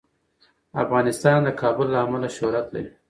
افغانستان د کابل له امله شهرت لري.